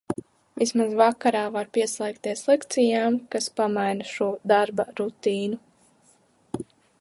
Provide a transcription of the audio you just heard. Vismaz vakarā var pieslēgties lekcijām, kas pamaina šo darba rutīnu.